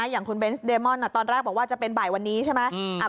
อย่างคุณเบนส์เดมอนตอนแรกบอกว่าจะเป็นบ่ายวันนี้ใช่ไหม